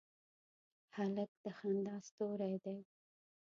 هلک د خندا ستوری دی.